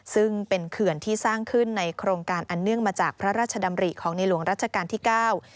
ซึ่งเป็นเขื่อนที่สร้างขึ้นในโครงการอันเนื่องมาจากพระราชดำริของในหลวงรัชกาลที่เก้า